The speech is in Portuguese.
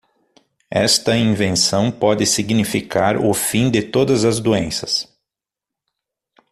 Esta invenção pode significar o fim de todas as doenças.